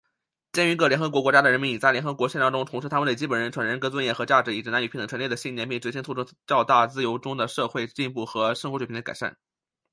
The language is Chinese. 鉴于各联合国国家的人民已在联合国宪章中重申他们对基本人权、人格尊严和价值以及男女平等权利的信念,并决心促成较大自由中的社会进步和生活水平的改善